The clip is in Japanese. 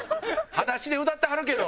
裸足で歌ってはるけど！